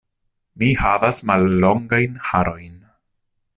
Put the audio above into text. Mi havas mallongajn harojn.